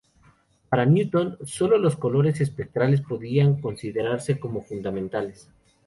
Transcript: Para Newton, solo los colores espectrales podían considerarse como fundamentales.